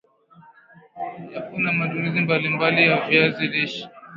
yapo ma tumizi mbalimbali ya viazi lishe